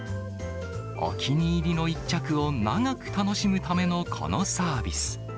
お気に入りの一着を長く楽しむためのこのサービス。